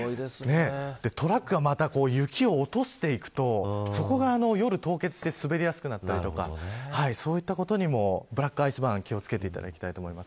トラックがまた雪を落としていくとそこが夜、凍結して滑りやすくなったりそういったことにもブラックアイスバーン気を付けてください。